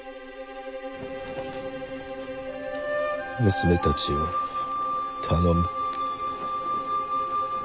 「娘たちを頼む」。